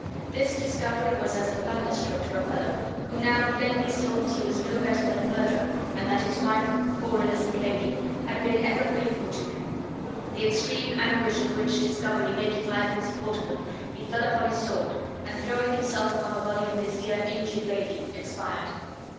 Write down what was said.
This discovery was as a thunderstroke to Othello, who now plainly saw that he was no better than a murderer, and that his wife (poor innocent lady) had been ever faithful to him; the extreme anguish of which discovery making life insupportable, he fell upon his sword, and throwing himself upon the body of his dear injured lady, expired.